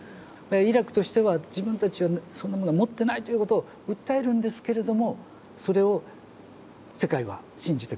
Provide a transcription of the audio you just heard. イラクとしては自分たちはそんなものは持ってないということを訴えるんですけれどもそれを世界は信じてくれなかった。